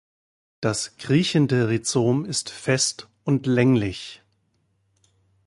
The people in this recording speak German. Das kriechende Rhizom ist fest und länglich.